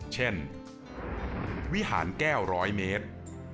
เช่นวิหารแก้วร้อยเมตร